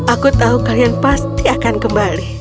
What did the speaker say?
aku tahu kalian pasti akan kembali